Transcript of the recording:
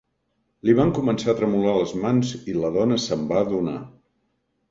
Li van començar a tremolar les mans i la dona se'n va adonar.